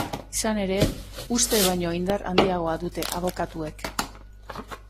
Izan ere, uste baino indar handiagoa dute abokatuek.